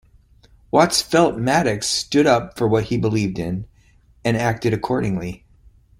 Watts felt Maddox stood up for what he believed in and acted accordingly.